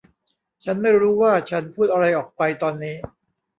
ฉันไม่รู้ว่าฉันพูดอะไรออกไปตอนนี้